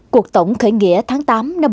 cuộc tổng khởi nghĩa tháng tám